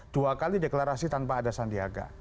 dua kali deklarasi tanpa ada sandiaga